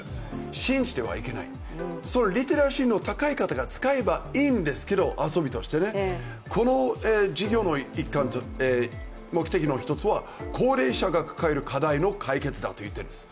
信じてはいけないリテラシーの高い方が使えばいいんですけど遊びとしてね、この事業の目的の一つは高齢者が抱える課題の一つだといっているんです。